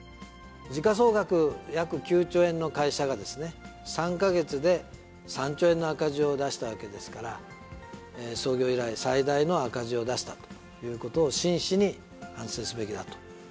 時価総額約９兆円の会社がですね、３か月で３兆円の赤字を出したわけですから、創業以来、最大の赤字を出したということを、真摯に反省すべきだと。